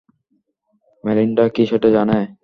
Melinda কি সেটা জানে?